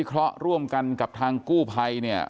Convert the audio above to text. ก็ร่วมกันกับทางกู้ไพ